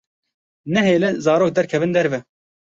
Nehêle zarok derkevin derve.